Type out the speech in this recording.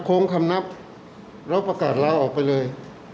คงคำนับแล้วประกาศลาออกไปเลย